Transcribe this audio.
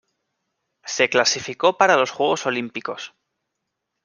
Se clasificó para los Juegos Olímpicos.